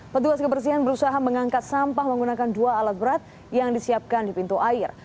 petugas kebersihan berusaha mengangkat sampah menggunakan dua alat berat yang disiapkan di pintu air